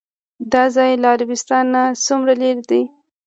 دا ځای له عربستان نه څومره لرې دی؟